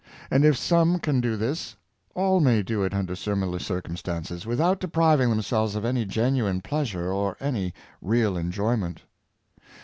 And if some can do this, all may do it under similar circumstances, without depriving themselves of any genuine pleasure or any real enjoyment.